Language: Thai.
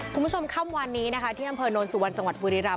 คุณผู้ชมข้ามวันนี้นะคะที่แม่งเพลินนทร์สุวรรณสังวัตรฟุริรัมพ์